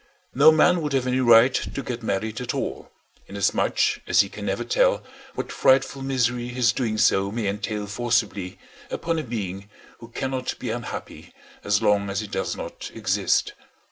No man would have any right to get married at all, inasmuch as he can never tell what frightful misery his doing so may entail forcibly upon a being who cannot be unhappy as long as he does not exist.